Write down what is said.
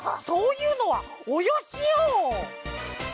そういうのはおよしよ！